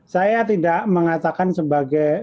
saya tidak mengatakan sebagai